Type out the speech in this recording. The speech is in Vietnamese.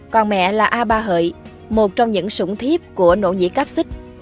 còn mẹ là a ba hợi một trong những sủng thiếp của nỗ nhĩ cáp xích